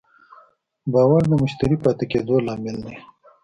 باور د مشتری پاتې کېدو لامل دی.